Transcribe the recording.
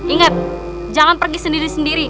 ingat jangan pergi sendiri sendiri